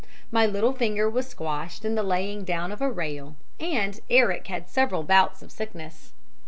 "My little finger was squashed in the laying down of a rail, and Eric had several bouts of sickness.